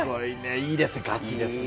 いいですね、ガチですね。